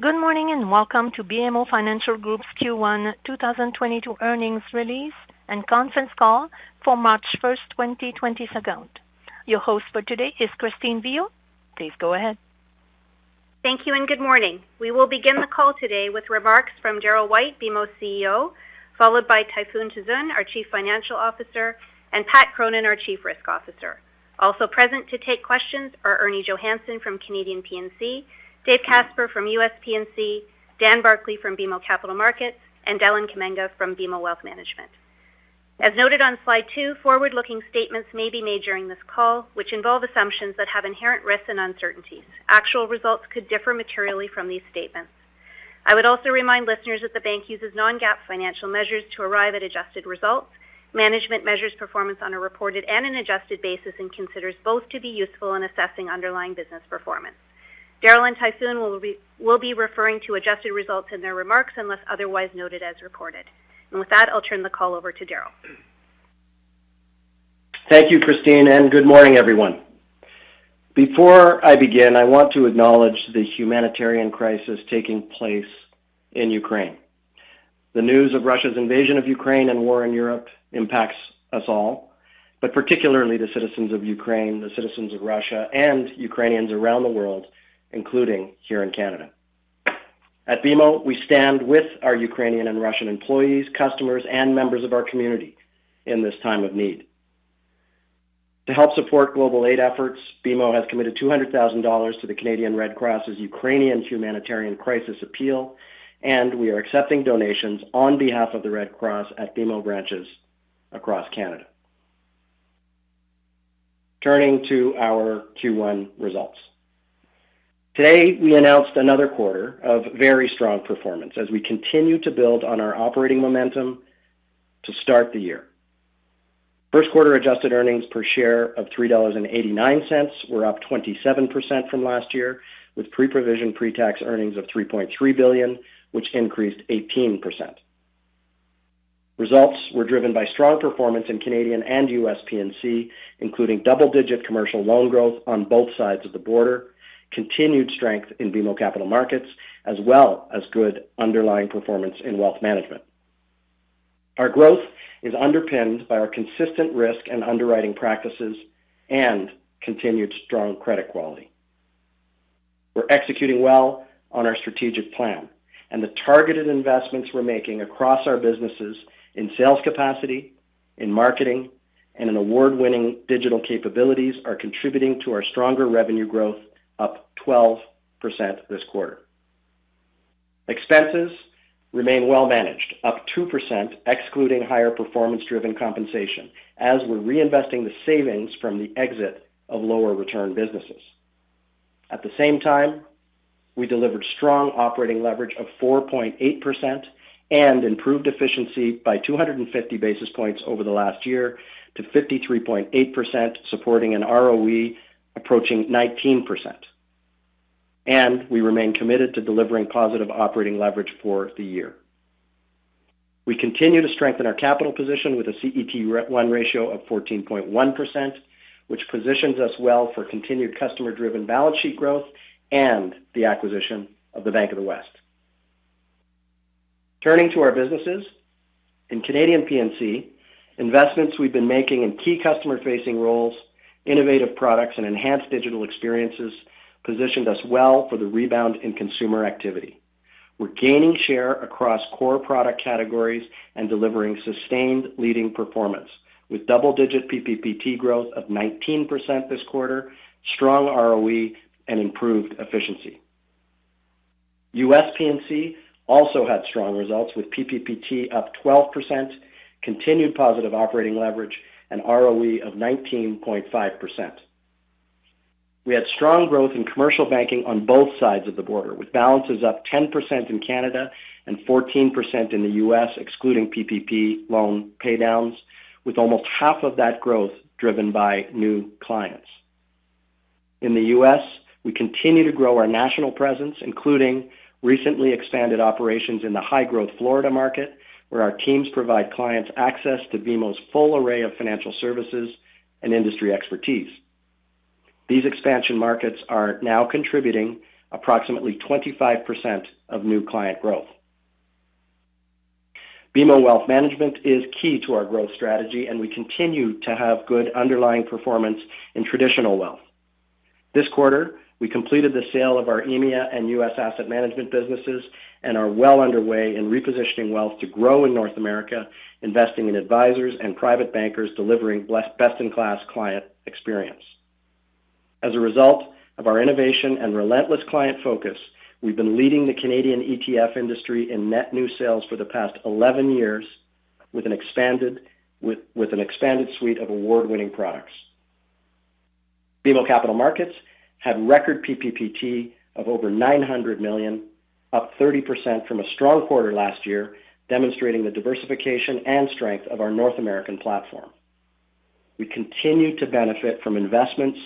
Good morning, and welcome to BMO Financial Group's Q1 2022 earnings release and conference call for March 1, 2022. Your host for today is Christine Viau. Please go ahead. Thank you, and good morning. We will begin the call today with remarks from Darryl White, BMO's CEO, followed by Tayfun Tuzun, our Chief Financial Officer, and Patrick Cronin, our Chief Risk Officer. Also present to take questions are Erminia Johannson from Canadian P&C, David Casper from U.S. P&C, Dan Barclay from BMO Capital Markets, and Deland Kamanga from BMO Wealth Management. As noted on slide 2, forward-looking statements may be made during this call, which involve assumptions that have inherent risks and uncertainties. Actual results could differ materially from these statements. I would also remind listeners that the bank uses non-GAAP financial measures to arrive at adjusted results. Management measures performance on a reported and an adjusted basis and considers both to be useful in assessing underlying business performance. Darryl and Tayfun will be referring to adjusted results in their remarks unless otherwise noted as reported. With that, I'll turn the call over to Darryl. Thank you, Christine, and good morning, everyone. Before I begin, I want to acknowledge the humanitarian crisis taking place in Ukraine. The news of Russia's invasion of Ukraine and war in Europe impacts us all, but particularly the citizens of Ukraine, the citizens of Russia, and Ukrainians around the world, including here in Canada. At BMO, we stand with our Ukrainian and Russian employees, customers, and members of our community in this time of need. To help support global aid efforts, BMO has committed 200,000 dollars to the Canadian Red Cross' Ukrainian humanitarian crisis appeal, and we are accepting donations on behalf of the Red Cross at BMO branches across Canada. Turning to our Q1 results. Today, we announced another quarter of very strong performance as we continue to build on our operating momentum to start the year. First quarter adjusted earnings per share of 3.89 dollars were up 27% from last year, with pre-provision pre-tax earnings of 3.3 billion, which increased 18%. Results were driven by strong performance in Canadian and U.S. P&C, including double-digit commercial loan growth on both sides of the border, continued strength in BMO Capital Markets, as well as good underlying performance in wealth management. Our growth is underpinned by our consistent risk and underwriting practices and continued strong credit quality. We're executing well on our strategic plan, and the targeted investments we're making across our businesses in sales capacity, in marketing, and in award-winning digital capabilities are contributing to our stronger revenue growth, up 12% this quarter. Expenses remain well managed, up 2%, excluding higher performance-driven compensation, as we're reinvesting the savings from the exit of lower return businesses. At the same time, we delivered strong operating leverage of 4.8% and improved efficiency by 250 basis points over the last year to 53.8%, supporting an ROE approaching 19%. We remain committed to delivering positive operating leverage for the year. We continue to strengthen our capital position with a CET1 ratio of 14.1%, which positions us well for continued customer-driven balance sheet growth and the acquisition of the Bank of the West. Turning to our businesses. In Canadian P&C, investments we've been making in key customer-facing roles, innovative products, and enhanced digital experiences positioned us well for the rebound in consumer activity. We're gaining share across core product categories and delivering sustained leading performance with double-digit PPPT growth of 19% this quarter, strong ROE, and improved efficiency. U.S. P&C also had strong results with PPPT up 12%, continued positive operating leverage, and ROE of 19.5%. We had strong growth in commercial banking on both sides of the border, with balances up 10% in Canada and 14% in the U.S., excluding PPP loan paydowns, with almost half of that growth driven by new clients. In the U.S., we continue to grow our national presence, including recently expanded operations in the high-growth Florida market, where our teams provide clients access to BMO's full array of financial services and industry expertise. These expansion markets are now contributing approximately 25% of new client growth. BMO Wealth Management is key to our growth strategy, and we continue to have good underlying performance in traditional wealth. This quarter, we completed the sale of our EMEA and U.S. asset management businesses and are well underway in repositioning wealth to grow in North America, investing in advisors and private bankers delivering best-in-class client experience. As a result of our innovation and relentless client focus, we've been leading the Canadian ETF industry in net new sales for the past 11 years with an expanded suite of award-winning products. BMO Capital Markets had record PPPT of over 900 million, up 30% from a strong quarter last year, demonstrating the diversification and strength of our North American platform. We continue to benefit from investments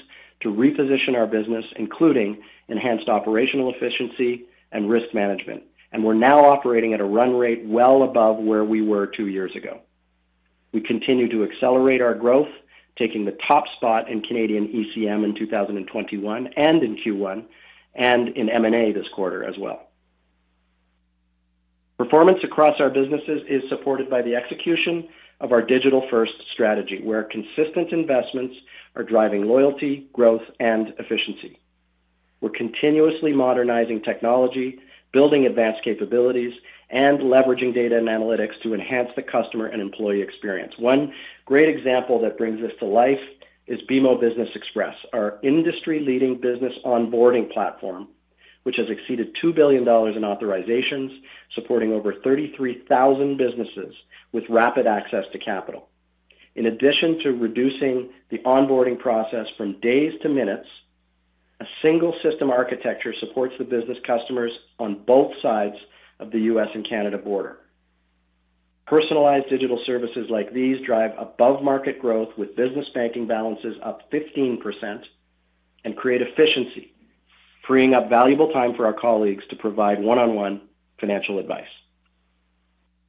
to reposition our business, including enhanced operational efficiency and risk management, and we're now operating at a run rate well above where we were two years ago. We continue to accelerate our growth, taking the top spot in Canadian ECM in 2021 and in Q1 and in M&A this quarter as well. Performance across our businesses is supported by the execution of our digital-first strategy, where consistent investments are driving loyalty, growth, and efficiency. We're continuously modernizing technology, building advanced capabilities, and leveraging data and analytics to enhance the customer and employee experience. One great example that brings this to life is BMO Business Xpress, our industry-leading business onboarding platform, which has exceeded 2 billion dollars in authorizations, supporting over 33,000 businesses with rapid access to capital. In addition to reducing the onboarding process from days to minutes, a single system architecture supports the business customers on both sides of the U.S. and Canada border. Personalized digital services like these drive above-market growth with business banking balances up 15% and create efficiency, freeing up valuable time for our colleagues to provide one-on-one financial advice.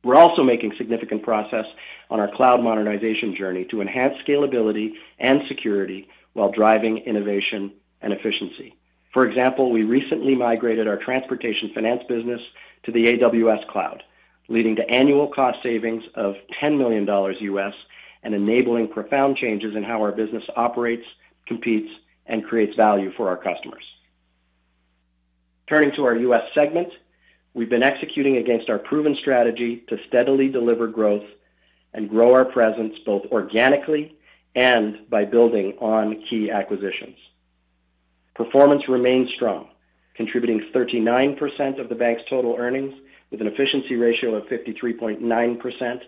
We're also making significant progress on our cloud modernization journey to enhance scalability and security while driving innovation and efficiency. For example, we recently migrated our transportation finance business to the AWS cloud, leading to annual cost savings of $10 million and enabling profound changes in how our business operates, competes, and creates value for our customers. Turning to our U.S. segment, we've been executing against our proven strategy to steadily deliver growth and grow our presence, both organically and by building on key acquisitions. Performance remains strong, contributing 39% of the bank's total earnings with an efficiency ratio of 53.9%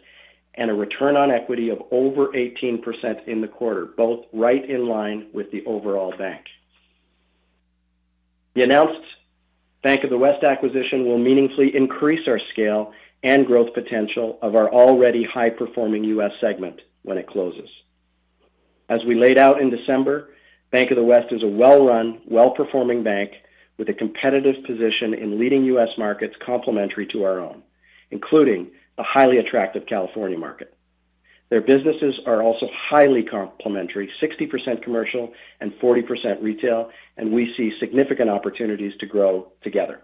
and a return on equity of over 18% in the quarter, both right in line with the overall bank. The announced Bank of the West acquisition will meaningfully increase our scale and growth potential of our already high-performing U.S. segment when it closes. As we laid out in December, Bank of the West is a well-run, well-performing bank with a competitive position in leading U.S. markets complementary to our own, including the highly attractive California market. Their businesses are also highly complementary, 60% commercial and 40% retail, and we see significant opportunities to grow together.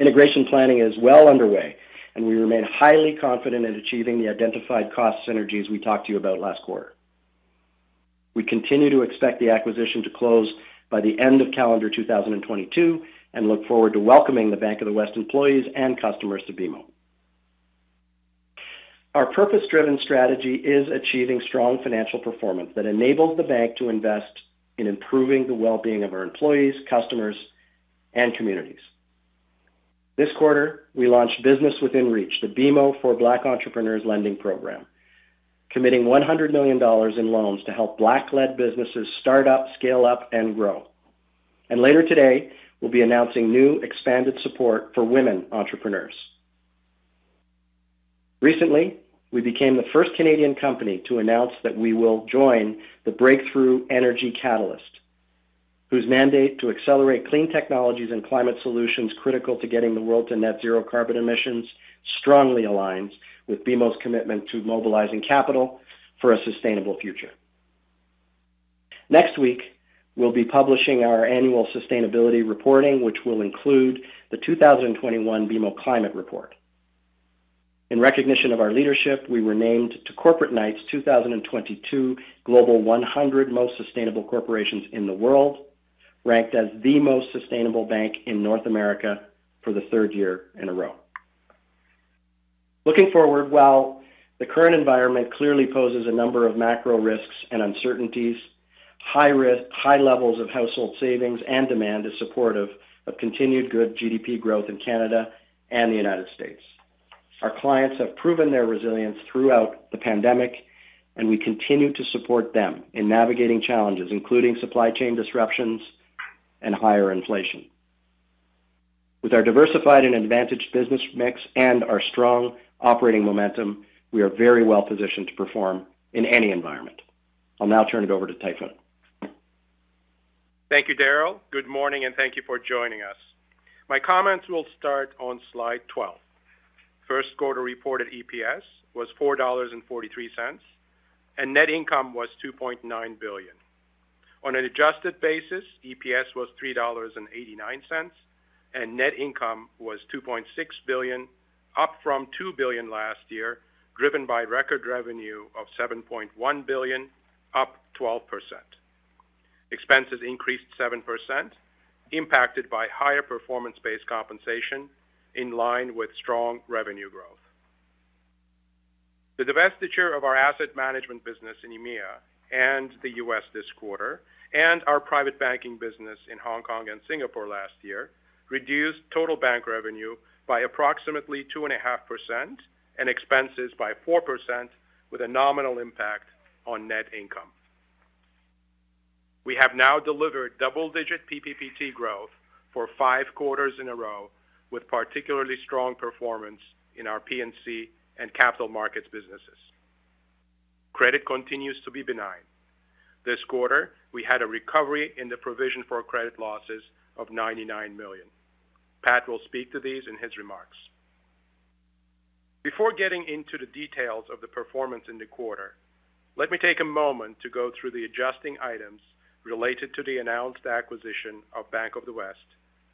Integration planning is well underway, and we remain highly confident in achieving the identified cost synergies we talked to you about last quarter. We continue to expect the acquisition to close by the end of calendar 2022 and look forward to welcoming the Bank of the West employees and customers to BMO. Our purpose-driven strategy is achieving strong financial performance that enables the bank to invest in improving the well-being of our employees, customers, and communities. This quarter, we launched Business Within Reach, the BMO for Black Entrepreneurs Lending Program, committing 100 million dollars in loans to help Black-led businesses start up, scale up, and grow. And later today, we'll be announcing new expanded support for women entrepreneurs. Recently, we became the first Canadian company to announce that we will join the Breakthrough Energy Catalyst, whose mandate to accelerate clean technologies and climate solutions critical to getting the world to net zero carbon emissions strongly aligns with BMO's commitment to mobilizing capital for a sustainable future. Next week, we'll be publishing our annual sustainability reporting, which will include the 2021 BMO Climate Report. In recognition of our leadership, we were named to Corporate Knights 2022 Global 100 Most Sustainable Corporations in the World, ranked as the most sustainable bank in North America for the third year in a row. Looking forward, while the current environment clearly poses a number of macro risks and uncertainties, high levels of household savings and demand is supportive of continued good GDP growth in Canada and the United States. Our clients have proven their resilience throughout the pandemic, and we continue to support them in navigating challenges, including supply chain disruptions and higher inflation. With our diversified and advantaged business mix and our strong operating momentum, we are very well positioned to perform in any environment. I'll now turn it over to Tayfun. Thank you, Darryl. Good morning, and thank you for joining us. My comments will start on slide 12. First quarter reported EPS was 4.43 dollars, and net income was 2.9 billion. On an adjusted basis, EPS was 3.89 dollars, and net income was 2.6 billion, up from 2 billion last year, driven by record revenue of 7.1 billion, up 12%. Expenses increased 7%, impacted by higher performance-based compensation in line with strong revenue growth. The divestiture of our asset management business in EMEA and the U.S. this quarter and our private banking business in Hong Kong and Singapore last year reduced total bank revenue by approximately 2.5% and expenses by 4% with a nominal impact on net income. We have now delivered double-digit PPPT growth for 5 quarters in a row with particularly strong performance in our P&C and capital markets businesses. Credit continues to be benign. This quarter, we had a recovery in the provision for credit losses of 99 million. Pat will speak to these in his remarks. Before getting into the details of the performance in the quarter, let me take a moment to go through the adjusting items related to the announced acquisition of Bank of the West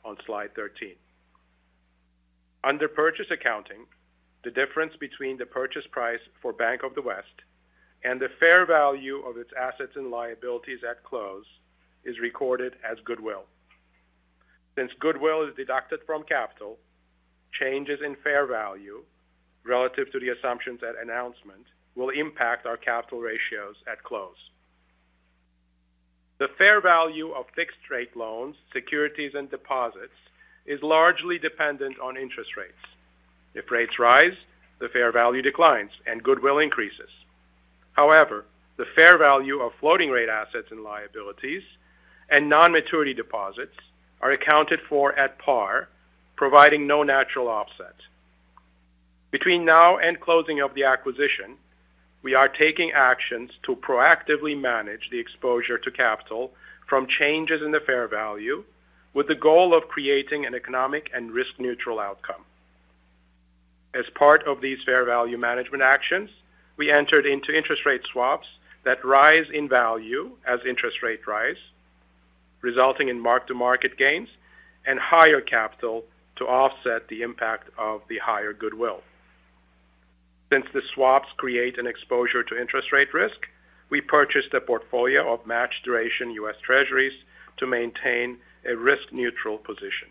on slide 13. Under purchase accounting, the difference between the purchase price for Bank of the West and the fair value of its assets and liabilities at close is recorded as goodwill. Since goodwill is deducted from capital, changes in fair value relative to the assumptions at announcement will impact our capital ratios at close. The fair value of fixed rate loans, securities, and deposits is largely dependent on interest rates. If rates rise, the fair value declines and goodwill increases. However, the fair value of floating rate assets and liabilities and non-maturity deposits are accounted for at par, providing no natural offset. Between now and closing of the acquisition, we are taking actions to proactively manage the exposure to capital from changes in the fair value with the goal of creating an economic and risk neutral outcome. As part of these fair value management actions, we entered into interest rate swaps that rise in value as interest rate rise, resulting in mark-to-market gains and higher capital to offset the impact of the higher goodwill. Since the swaps create an exposure to interest rate risk, we purchased a portfolio of matched duration U.S. Treasuries to maintain a risk neutral position.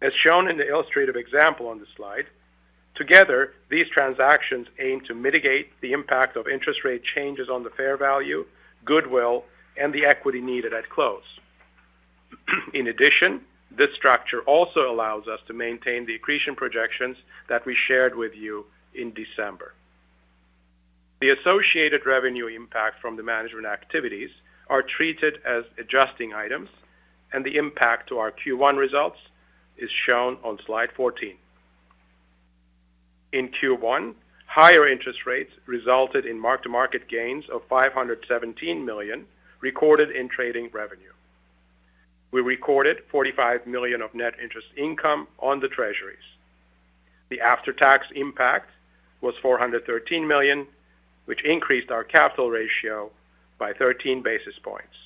As shown in the illustrative example on the slide, together these transactions aim to mitigate the impact of interest rate changes on the fair value, goodwill, and the equity needed at close. In addition, this structure also allows us to maintain the accretion projections that we shared with you in December. The associated revenue impact from the management activities are treated as adjusting items, and the impact to our Q1 results is shown on slide 14. In Q1, higher interest rates resulted in mark-to-market gains of 517 million recorded in trading revenue. We recorded 45 million of net interest income on the Treasuries. The after-tax impact was 413 million, which increased our capital ratio by 13 basis points.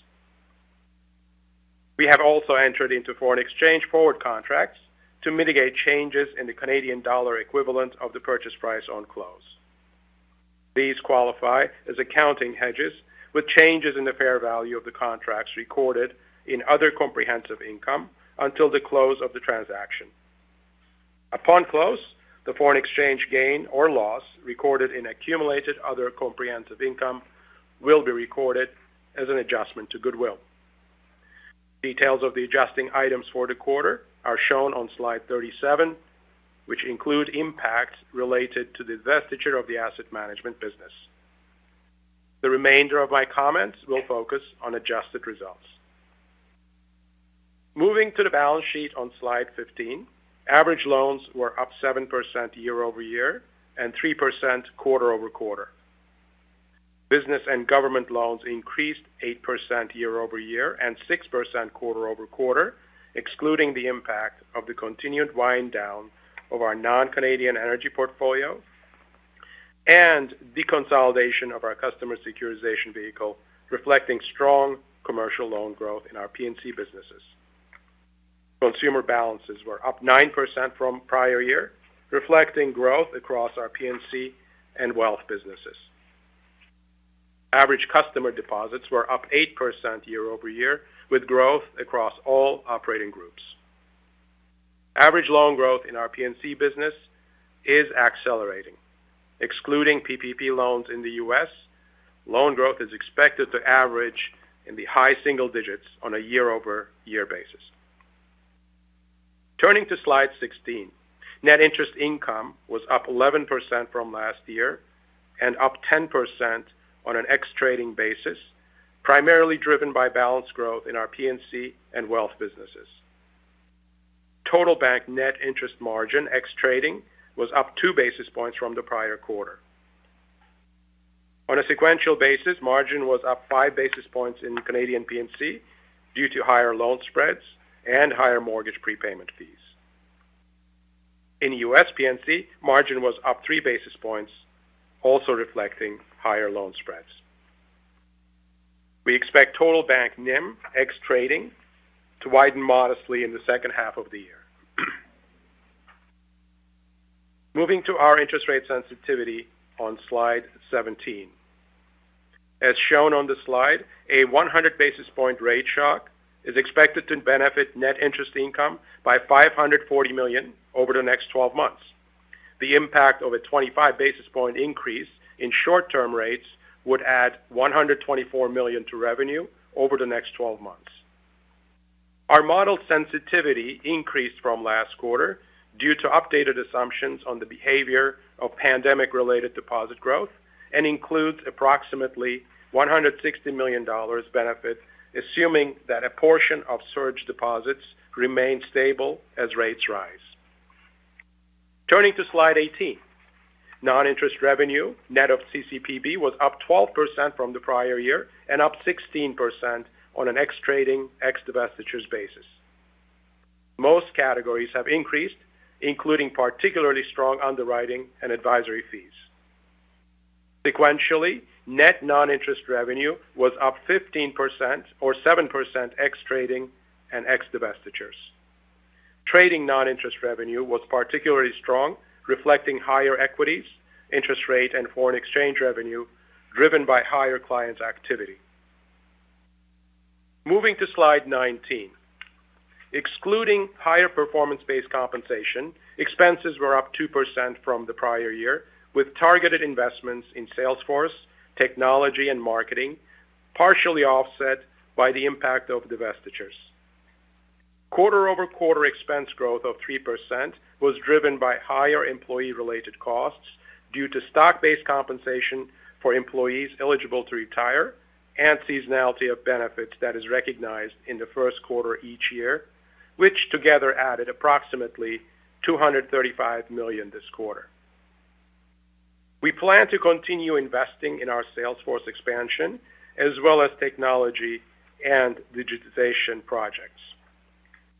We have also entered into foreign exchange forward contracts to mitigate changes in the Canadian dollar equivalent of the purchase price on close. These qualify as accounting hedges with changes in the fair value of the contracts recorded in other comprehensive income until the close of the transaction. Upon close, the foreign exchange gain or loss recorded in accumulated other comprehensive income will be recorded as an adjustment to goodwill. Details of the adjusting items for the quarter are shown on slide 37, which include impact related to the divestiture of the asset management business. The remainder of my comments will focus on adjusted results. Moving to the balance sheet on slide 15, average loans were up 7% year-over-year and 3% quarter-over-quarter. Business and government loans increased 8% year-over-year and 6% quarter-over-quarter, excluding the impact of the continued wind down of our non-Canadian energy portfolio and deconsolidation of our customer securitization vehicle, reflecting strong commercial loan growth in our P&C businesses. Consumer balances were up 9% from prior year, reflecting growth across our P&C and wealth businesses. Average customer deposits were up 8% year-over-year with growth across all operating groups. Average loan growth in our P&C business is accelerating. Excluding PPP loans in the U.S., loan growth is expected to average in the high single digits on a year-over-year basis. Turning to slide 16, net interest income was up 11% from last year and up 10% on an ex trading basis, primarily driven by balance growth in our P&C and wealth businesses. Total bank net interest margin ex trading was up 2 basis points from the prior quarter. On a sequential basis, margin was up 5 basis points in Canadian P&C due to higher loan spreads and higher mortgage prepayment fees. In U.S. P&C, margin was up 3 basis points, also reflecting higher loan spreads. We expect total bank NIM ex trading to widen modestly in the second half of the year. Moving to our interest rate sensitivity on slide 17. As shown on the slide, a 100 basis point rate shock is expected to benefit net interest income by 540 million over the next 12 months. The impact of a 25 basis point increase in short-term rates would add 124 million to revenue over the next 12 months. Our model sensitivity increased from last quarter due to updated assumptions on the behavior of pandemic-related deposit growth and includes approximately 160 million dollars benefit, assuming that a portion of surge deposits remain stable as rates rise. Turning to slide 18. Non-interest revenue net of CCPB was up 12% from the prior year and up 16% on an ex trading ex divestitures basis. Most categories have increased, including particularly strong underwriting and advisory fees. Sequentially, net non-interest revenue was up 15% or 7% ex trading and ex divestitures. Trading non-interest revenue was particularly strong, reflecting higher equities, interest rate, and foreign exchange revenue driven by higher clients activity. Moving to slide 19. Excluding higher performance-based compensation, expenses were up 2% from the prior year, with targeted investments in sales force, technology and marketing, partially offset by the impact of divestitures. Quarter-over-quarter expense growth of 3% was driven by higher employee-related costs due to stock-based compensation for employees eligible to retire and seasonality of benefits that is recognized in the first quarter each year, which together added approximately 235 million this quarter. We plan to continue investing in our sales force expansion as well as technology and digitization projects.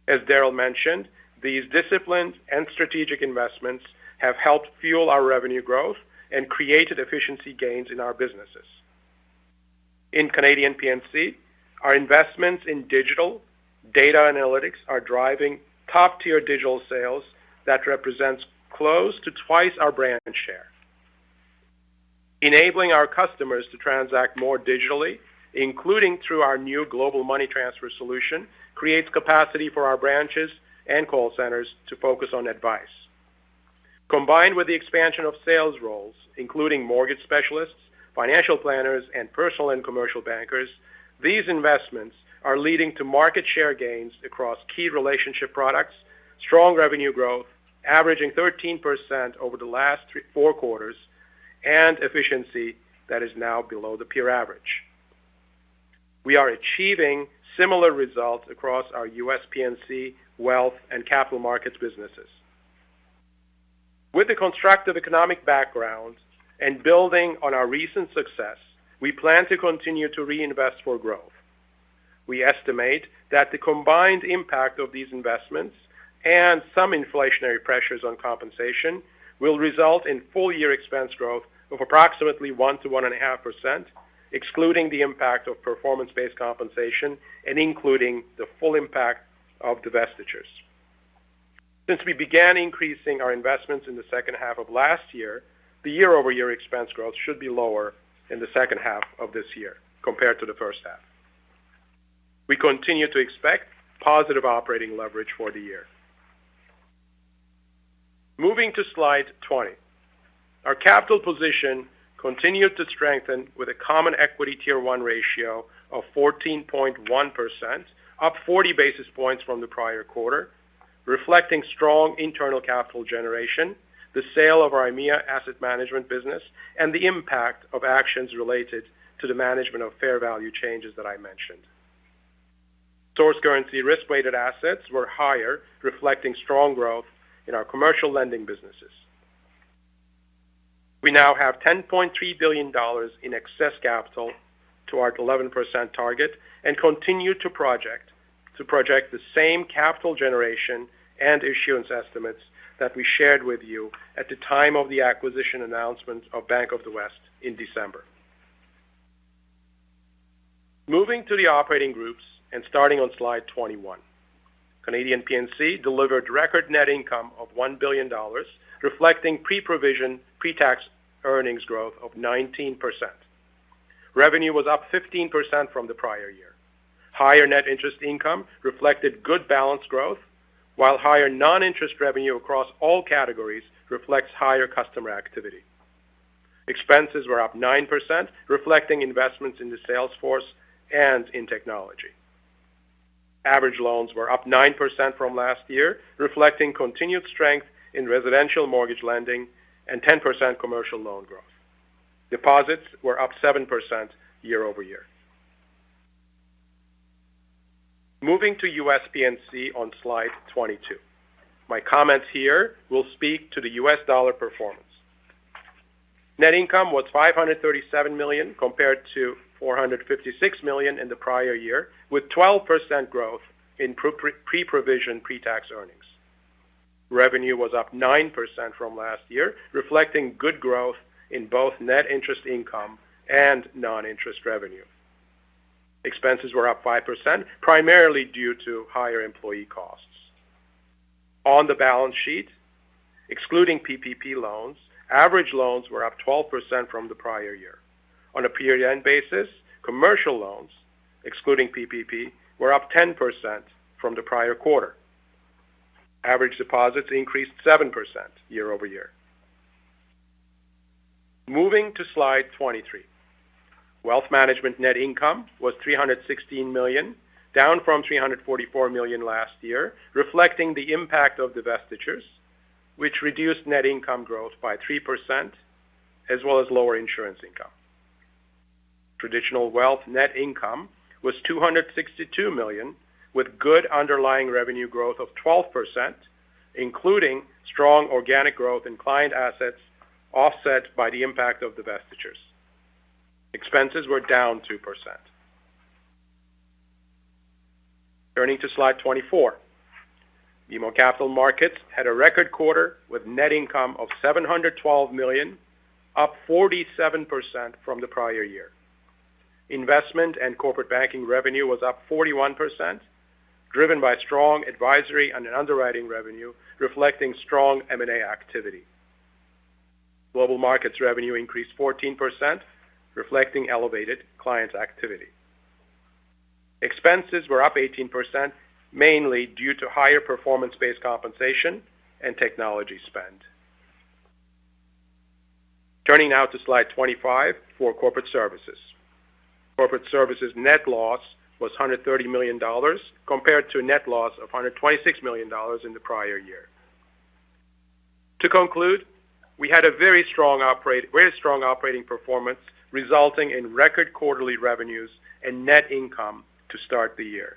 As Darryl mentioned, these disciplines and strategic investments have helped fuel our revenue growth and created efficiency gains in our businesses. In Canadian P&C, our investments in digital data analytics are driving top-tier digital sales that represents close to twice our brand share. Enabling our customers to transact more digitally, including through our new global money transfer solution, creates capacity for our branches and call centers to focus on advice. Combined with the expansion of sales roles, including mortgage specialists, financial planners, and personal and commercial bankers, these investments are leading to market share gains across key relationship products, strong revenue growth averaging 13% over the last three, four quarters, and efficiency that is now below the peer average. We are achieving similar results across our U.S. P&C wealth and capital markets businesses. With the constructive economic background and building on our recent success, we plan to continue to reinvest for growth. We estimate that the combined impact of these investments and some inflationary pressures on compensation will result in full-year expense growth of approximately 1%-1.5%, excluding the impact of performance-based compensation and including the full impact of divestitures. Since we began increasing our investments in the second half of last year, the year-over-year expense growth should be lower in the second half of this year compared to the first half. We continue to expect positive operating leverage for the year. Moving to slide 20. Our capital position continued to strengthen with a common equity tier one ratio of 14.1%, up 40 basis points from the prior quarter, reflecting strong internal capital generation, the sale of our EMEA asset management business and the impact of actions related to the management of fair value changes that I mentioned. Source currency risk-weighted assets were higher, reflecting strong growth in our commercial lending businesses. We now have 10.3 billion dollars in excess capital to our 11% target and continue to project the same capital generation and issuance estimates that we shared with you at the time of the acquisition announcement of Bank of the West in December. Moving to the operating groups and starting on slide 21. Canadian P&C delivered record net income of 1 billion dollars, reflecting pre-provision pre-tax earnings growth of 19%. Revenue was up 15% from the prior year. Higher net interest income reflected good balance growth, while higher non-interest revenue across all categories reflects higher customer activity. Expenses were up 9%, reflecting investments in the sales force and in technology. Average loans were up 9% from last year, reflecting continued strength in residential mortgage lending and 10% commercial loan growth. Deposits were up 7% year-over-year. Moving to U.S. P&C on slide 22. My comments here will speak to the U.S. dollar performance. Net income was $537 million compared to $456 million in the prior year, with 12% growth in pre-provision pre-tax earnings. Revenue was up 9% from last year, reflecting good growth in both net interest income and non-interest revenue. Expenses were up 5%, primarily due to higher employee costs. On the balance sheet, excluding PPP loans, average loans were up 12% from the prior year. On a period-end basis, commercial loans, excluding PPP, were up 10% from the prior quarter. Average deposits increased 7% year-over-year. Moving to slide 23. Wealth Management net income was 316 million, down from 344 million last year, reflecting the impact of divestitures, which reduced net income growth by 3% as well as lower insurance income. Traditional Wealth net income was 262 million, with good underlying revenue growth of 12%, including strong organic growth in client assets offset by the impact of divestitures. Expenses were down 2%. Turning to slide 24. BMO Capital Markets had a record quarter with net income of 712 million, up 47% from the prior year. Investment and corporate banking revenue was up 41%, driven by strong advisory and underwriting revenue, reflecting strong M&A activity. Global markets revenue increased 14%, reflecting elevated client activity. Expenses were up 18%, mainly due to higher performance-based compensation and technology spend. Turning now to slide 25 for corporate services. Corporate services net loss was 130 million dollars compared to a net loss of 126 million dollars in the prior year. To conclude, we had a very strong operating performance resulting in record quarterly revenues and net income to start the year.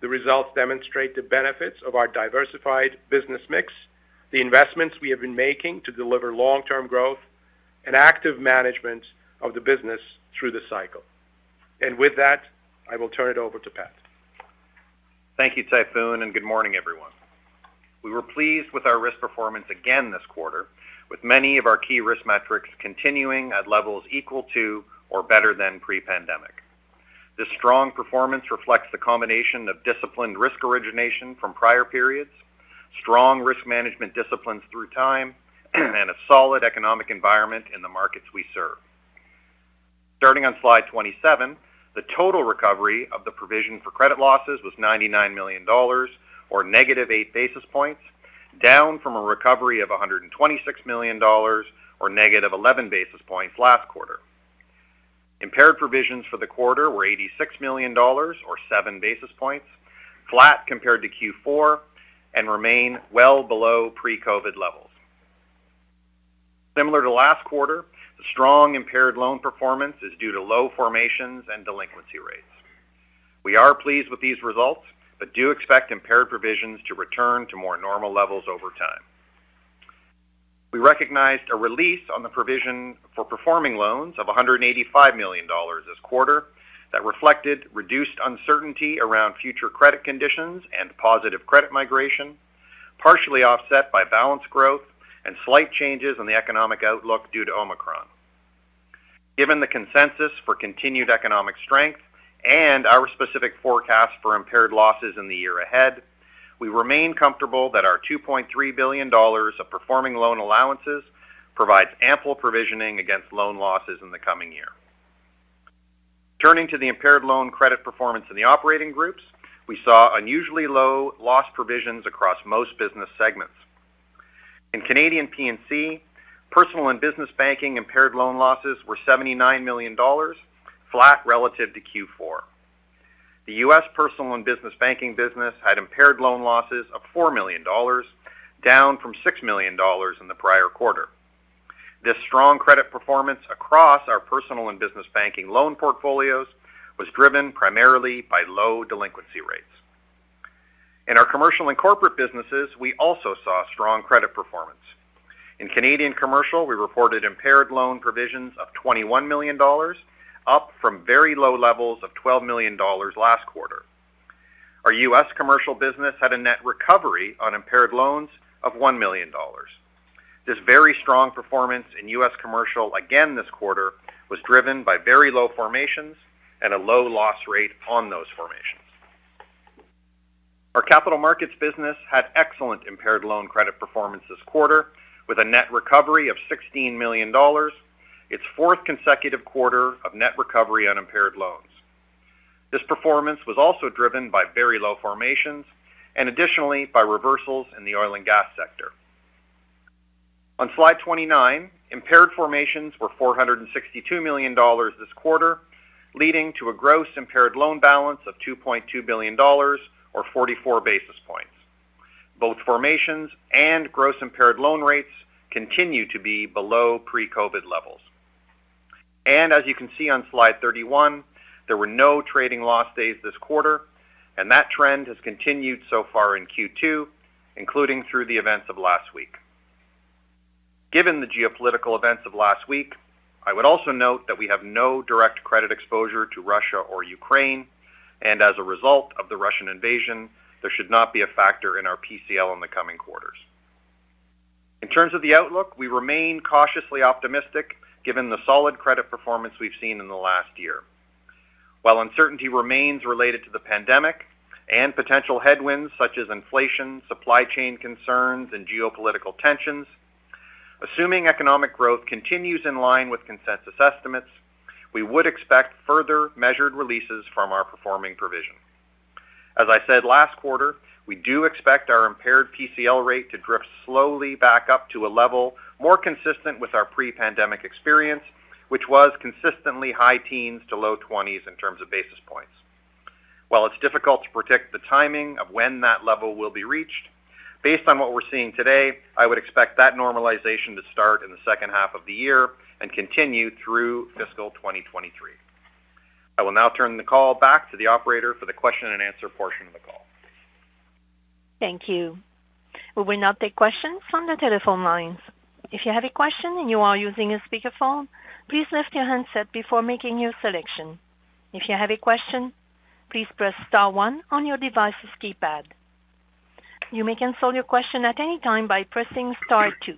The results demonstrate the benefits of our diversified business mix, the investments we have been making to deliver long-term growth and active management of the business through the cycle. With that, I will turn it over to Pat. Thank you, Tayfun, and good morning, everyone. We were pleased with our risk performance again this quarter, with many of our key risk metrics continuing at levels equal to or better than pre-pandemic. This strong performance reflects the combination of disciplined risk origination from prior periods, strong risk management disciplines through time, and a solid economic environment in the markets we serve. Starting on slide 27, the total recovery of the provision for credit losses was 99 million dollars or negative 8 basis points, down from a recovery of 126 million dollars or negative 11 basis points last quarter. Impaired provisions for the quarter were 86 million dollars or 7 basis points, flat compared to Q4 and remain well below pre-COVID levels. Similar to last quarter, the strong impaired loan performance is due to low formations and delinquency rates. We are pleased with these results, but do expect impaired provisions to return to more normal levels over time. We recognized a release on the provision for performing loans of 185 million dollars this quarter that reflected reduced uncertainty around future credit conditions and positive credit migration, partially offset by balance growth and slight changes in the economic outlook due to Omicron. Given the consensus for continued economic strength and our specific forecast for impaired losses in the year ahead, we remain comfortable that our 2.3 billion dollars of performing loan allowances provides ample provisioning against loan losses in the coming year. Turning to the impaired loan credit performance in the operating groups, we saw unusually low loss provisions across most business segments. In Canadian P&C, personal and business banking impaired loan losses were 79 million dollars, flat relative to Q4. The U.S. personal and business banking business had impaired loan losses of 4 million dollars, down from 6 million dollars in the prior quarter. This strong credit performance across our personal and business banking loan portfolios was driven primarily by low delinquency rates. In our commercial and corporate businesses, we also saw strong credit performance. In Canadian commercial, we reported impaired loan provisions of 21 million dollars, up from very low levels of 12 million dollars last quarter. Our U.S. commercial business had a net recovery on impaired loans of 1 million dollars. This very strong performance in U.S. commercial again this quarter was driven by very low formations and a low loss rate on those formations. Our capital markets business had excellent impaired loan credit performance this quarter with a net recovery of 16 million dollars, its fourth consecutive quarter of net recovery on impaired loans. This performance was also driven by very low formations and additionally by reversals in the oil and gas sector. On slide 29, impaired formations were CAD 462 million this quarter, leading to a gross impaired loan balance of CAD 2.2 billion or 44 basis points. Both formations and gross impaired loan rates continue to be below pre-COVID levels. As you can see on slide 31, there were no trading loss days this quarter, and that trend has continued so far in Q2, including through the events of last week. Given the geopolitical events of last week, I would also note that we have no direct credit exposure to Russia or Ukraine, and as a result of the Russian invasion, there should not be a factor in our PCL in the coming quarters. In terms of the outlook, we remain cautiously optimistic given the solid credit performance we've seen in the last year. While uncertainty remains related to the pandemic and potential headwinds such as inflation, supply chain concerns, and geopolitical tensions, assuming economic growth continues in line with consensus estimates, we would expect further measured releases from our performing provision. As I said last quarter, we do expect our impaired PCL rate to drift slowly back up to a level more consistent with our pre-pandemic experience, which was consistently high teens to low twenties in terms of basis points. While it's difficult to predict the timing of when that level will be reached, based on what we're seeing today, I would expect that normalization to start in the second half of the year and continue through fiscal 2023. I will now turn the call back to the operator for the question and answer portion of the call. Thank you. We will now take questions from the telephone lines. If you have a question and you are using a speakerphone, please lift your handset before making your selection. If you have a question, please press star one on your device's keypad. You may cancel your question at any time by pressing star two.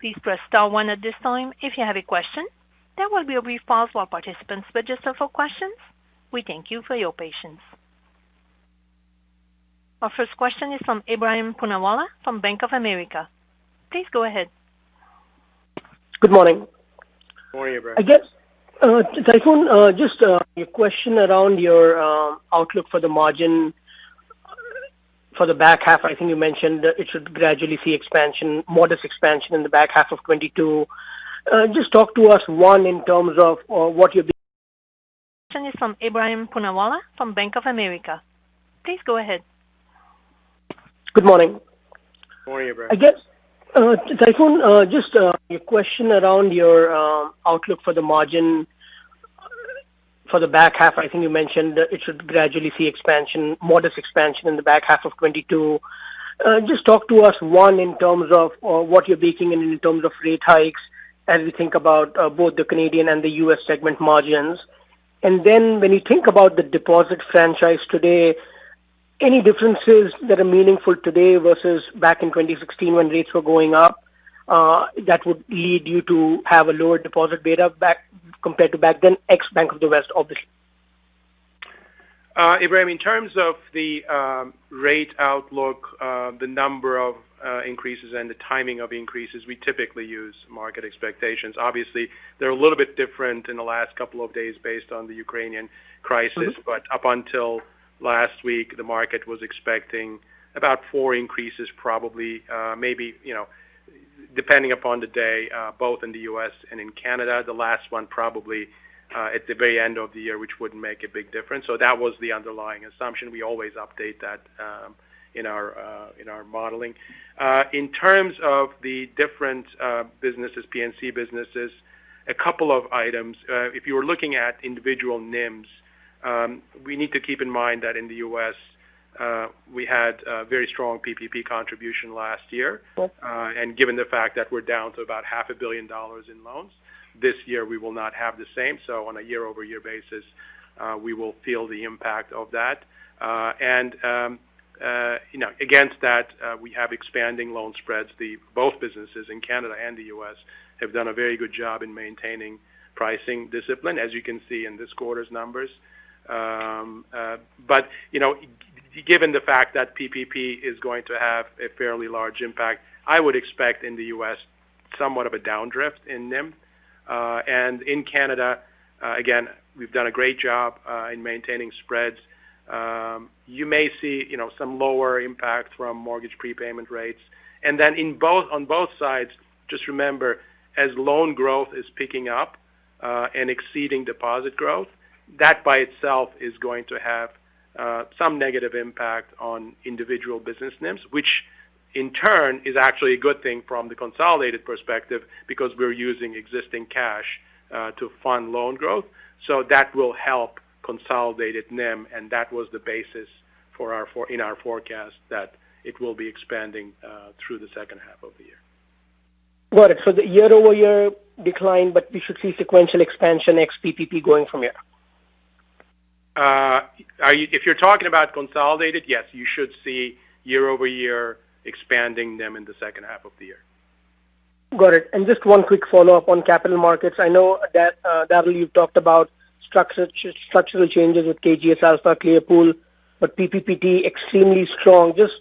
Please press star one at this time if you have a question. There will be a brief pause while participants register for questions. We thank you for your patience. Our first question is from Ebrahim Poonawala from Bank of America. Please go ahead. Good morning. Good morning, Ebrahim. I guess, Tayfun, just a question around your outlook for the margin for the back half. I think you mentioned it should gradually see expansion, modest expansion in the back half of 2022. Just talk to us, one, in terms of what you're- Is from Ebrahim Poonawala from Bank of America. Please go ahead. Good morning. Good morning, Ebrahim. I guess, Tayfun, just a question around your outlook for the margin for the back half. I think you mentioned it should gradually see expansion, modest expansion in the back half of 2022. Just talk to us, one, in terms of what you're baking in in terms of rate hikes as we think about both the Canadian and the U.S. segment margins. When you think about the deposit franchise today, any differences that are meaningful today versus back in 2016 when rates were going up that would lead you to have a lower deposit beta back compared to back then, ex Bank of the West, obviously. Ebrahim, in terms of the rate outlook, the number of increases and the timing of increases, we typically use market expectations. Obviously, they're a little bit different in the last couple of days based on the Ukrainian crisis. Up until last week, the market was expecting about four increases probably, maybe, you know, depending upon the day, both in the U.S. and in Canada. The last one probably at the very end of the year, which wouldn't make a big difference. That was the underlying assumption. We always update that in our modeling. In terms of the different businesses, P&C businesses, a couple of items. If you were looking at individual NIMs, we need to keep in mind that in the U.S., we had a very strong PPP contribution last year. Sure. Given the fact that we're down to about half a billion dollars in loans, this year we will not have the same. On a year-over-year basis, we will feel the impact of that. You know, against that, we have expanding loan spreads. Both businesses in Canada and the U.S. have done a very good job in maintaining pricing discipline, as you can see in this quarter's numbers. You know, given the fact that PPP is going to have a fairly large impact, I would expect in the U.S. somewhat of a downdrift in NIM. In Canada, again, we've done a great job in maintaining spreads. You may see, you know, some lower impact from mortgage prepayment rates. On both sides, just remember, as loan growth is picking up and exceeding deposit growth, that by itself is going to have some negative impact on individual business NIMs, which in turn is actually a good thing from the consolidated perspective because we're using existing cash to fund loan growth. That will help consolidated NIM, and that was the basis for our forecast that it will be expanding through the second half of the year. Got it. The year-over-year decline, but we should see sequential expansion ex PPP going from here. If you're talking about consolidated, yes, you should see year-over-year expanding NIM in the second half of the year. Got it. Just one quick follow-up on capital markets. I know that W talked about structural changes with KGS-Alpha, Clearpool, but PPPT extremely strong. Just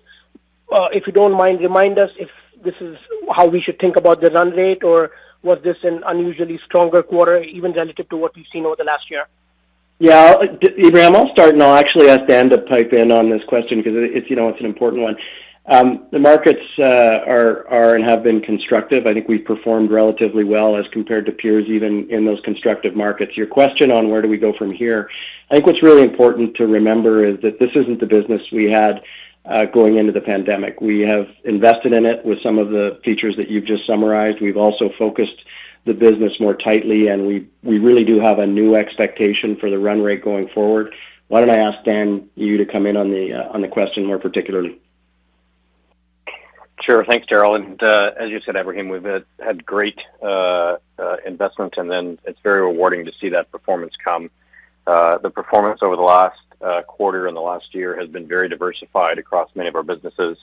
if you don't mind, remind us if this is how we should think about the run rate, or was this an unusually stronger quarter, even relative to what we've seen over the last year? Yeah. Ebrahim, I'll start, and I'll actually ask Dan to pipe in on this question because it's, you know, it's an important one. The markets are and have been constructive. I think we've performed relatively well as compared to peers, even in those constructive markets. Your question on where do we go from here, I think what's really important to remember is that this isn't the business we had going into the pandemic. We have invested in it with some of the features that you've just summarized. We've also focused the business more tightly, and we really do have a new expectation for the run rate going forward. Why don't I ask Dan, you to come in on the question more particularly? Sure. Thanks, Darryl. As you said, Ebrahim, we've had great investment, and then it's very rewarding to see that performance come. The performance over the last quarter and the last year has been very diversified across many of our businesses.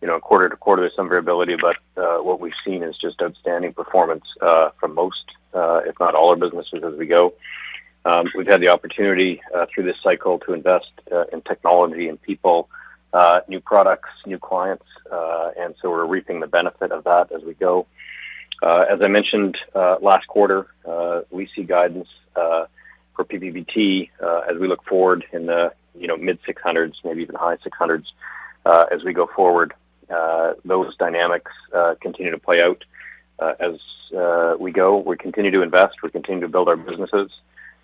You know, quarter to quarter, there's some variability, but what we've seen is just outstanding performance from most, if not all our businesses as we go. We've had the opportunity through this cycle to invest in technology and people, new products, new clients, and so we're reaping the benefit of that as we go. As I mentioned last quarter, we see guidance for PPPT as we look forward in the, you know, mid-600s, maybe even high 600s, as we go forward. Those dynamics continue to play out. As we go, we continue to invest, we continue to build our businesses.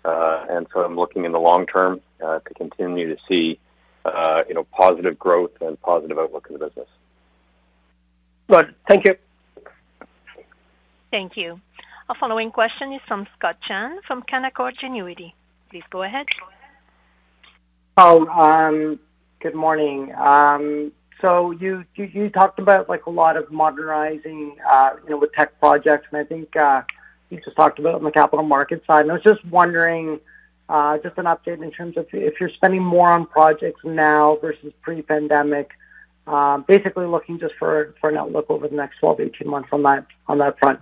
I'm looking in the long term to continue to see, you know, positive growth and positive outlook in the business. Good. Thank you. Thank you. Our following question is from Scott Chan from Canaccord Genuity. Please go ahead. Oh, good morning. You talked about like a lot of modernizing with tech projects, and I think you just talked about on the capital market side. I was just wondering just an update in terms of if you're spending more on projects now versus pre-pandemic, basically looking just for an outlook over the next 12-18 months on that front.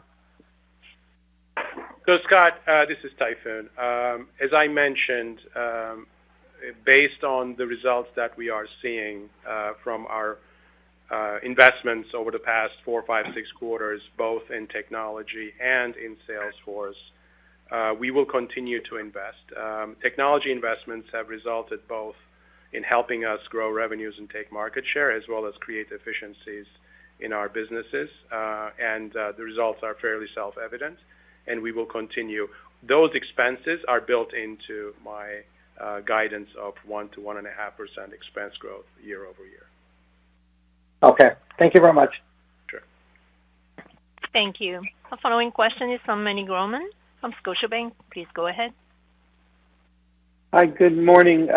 Scott, this is Tayfun. As I mentioned, based on the results that we are seeing from our investments over the past 4, 5, 6 quarters, both in technology and in sales force, we will continue to invest. Technology investments have resulted both in helping us grow revenues and take market share, as well as create efficiencies in our businesses. The results are fairly self-evident, and we will continue. Those expenses are built into my guidance of 1%-1.5% expense growth year-over-year. Okay. Thank you very much. Sure. Thank you. Our following question is from Meny Grauman from Scotiabank. Please go ahead. Hi. Good morning.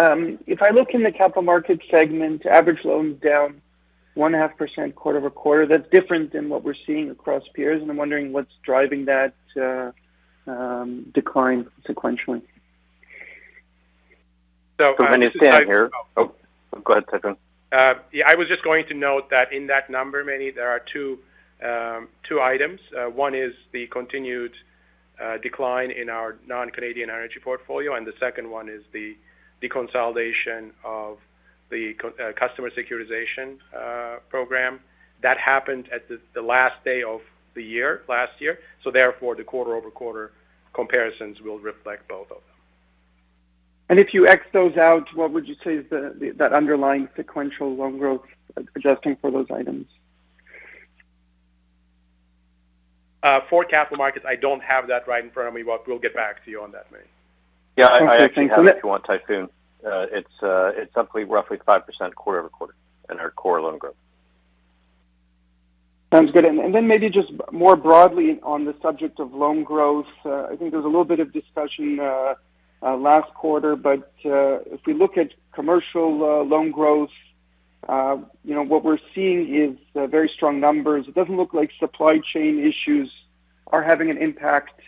If I look in the Capital Markets segment, average loans down 1.5% quarter-over-quarter. That's different than what we're seeing across peers, and I'm wondering what's driving that decline sequentially. So from an- From a standpoint here. Oh, go ahead, Tayfun. Yeah, I was just going to note that in that number, Meny, there are two items. One is the continued decline in our non-Canadian energy portfolio, and the second one is the consolidation of the customer securitization program. That happened at the last day of the year, last year, so therefore the quarter-over-quarter comparisons will reflect both of them. If you X those out, what would you say is the underlying sequential loan growth adjusting for those items? For capital markets, I don't have that right in front of me, but we'll get back to you on that, Meny. Yeah, thanks so much. I actually have it if you want, Tayfun. It's up to roughly 5% quarter-over-quarter in our core loan growth. Sounds good. Then maybe just more broadly on the subject of loan growth, I think there was a little bit of discussion last quarter. If we look at commercial loan growth, you know, what we're seeing is very strong numbers. It doesn't look like supply chain issues are having an impact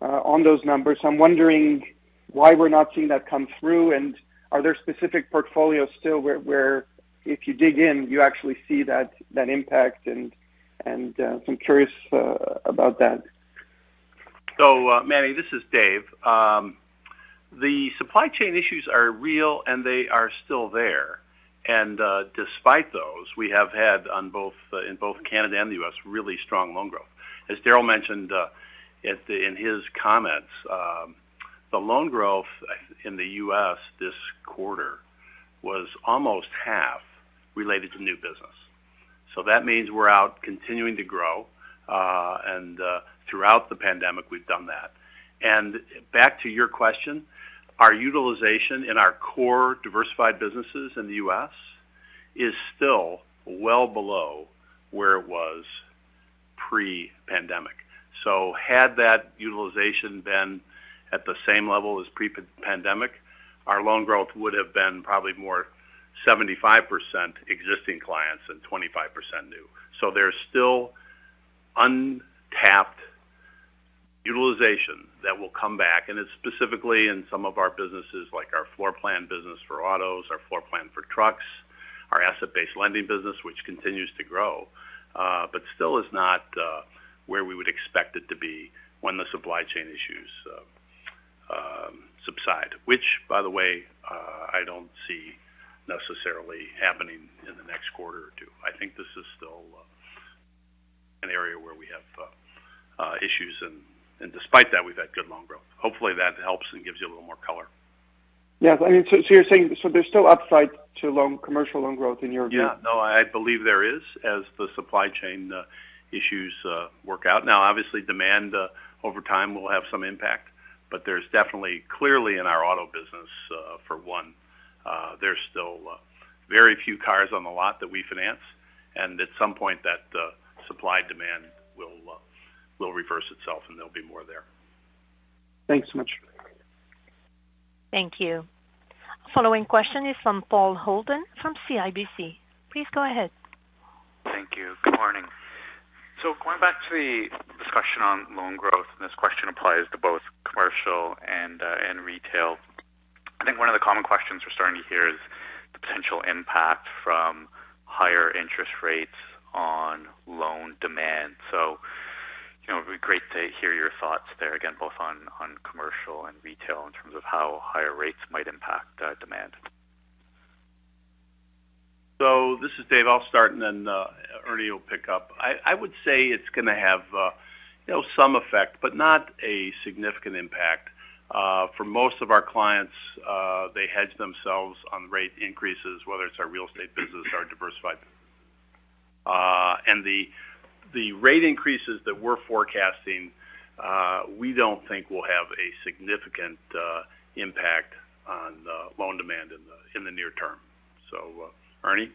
on those numbers. I'm wondering why we're not seeing that come through, and are there specific portfolios still where if you dig in, you actually see that impact and so I'm curious about that. Meny, this is Dave. The supply chain issues are real, and they are still there. Despite those, we have had in both Canada and the U.S. really strong loan growth. As Darryl mentioned in his comments, the loan growth in the U.S. this quarter was almost half related to new business. That means we're out continuing to grow throughout the pandemic, we've done that. Back to your question, our utilization in our core diversified businesses in the U.S. is still well below where it was pre-pandemic. Had that utilization been at the same level as pre-pandemic, our loan growth would have been probably more 75% existing clients and 25% new. There's still untapped utilization that will come back, and it's specifically in some of our businesses like our floor plan business for autos, our floor plan for trucks, our asset-based lending business, which continues to grow, but still is not where we would expect it to be when the supply chain issues subside, which, by the way, I don't see necessarily happening in the next quarter or two. I think this is still an area where we have issues and despite that, we've had good loan growth. Hopefully, that helps and gives you a little more color. Yeah. I mean, so you're saying there's still upside to commercial loan growth in your view? Yeah. No, I believe there is as the supply chain issues work out. Now, obviously demand over time will have some impact, but there's definitely clearly in our auto business, for one, there's still very few cars on the lot that we finance. At some point, that supply-demand will reverse itself, and there'll be more there. Thanks so much. Thank you. Following question is from Paul Holden from CIBC. Please go ahead. Thank you. Good morning. Going back to the discussion on loan growth, and this question applies to both commercial and retail. I think one of the common questions we're starting to hear is the potential impact from higher interest rates on loan demand. You know, it'd be great to hear your thoughts there again, both on commercial and retail in terms of how higher rates might impact demand. This is Dave. I'll start, and then Ernie will pick up. I would say it's gonna have, you know, some effect, but not a significant impact. For most of our clients, they hedge themselves on rate increases, whether it's our real estate business or our diversified. The rate increases that we're forecasting, we don't think will have a significant impact on the loan demand in the near term. Ernie?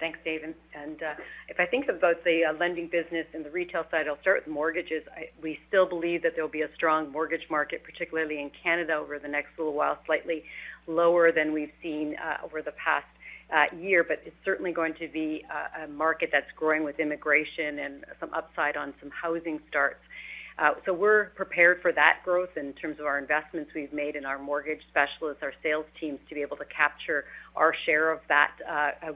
Thanks, David. And if I think about the lending business and the retail side, I'll start with mortgages. We still believe that there'll be a strong mortgage market, particularly in Canada over the next little while, slightly lower than we've seen over the past year. It's certainly going to be a market that's growing with immigration and some upside on some housing starts. We're prepared for that growth in terms of our investments we've made in our mortgage specialists, our sales teams, to be able to capture our share of that